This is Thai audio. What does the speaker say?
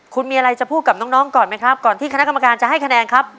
คุณมีอะไรจะพูดกับน้องก่อนไหมครับก่อนที่คณะกรรมการจะให้คะแนนครับ